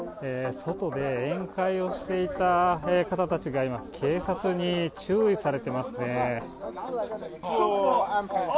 外で宴会をしていた方たちが今、警察に注意されてますね。